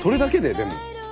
でも。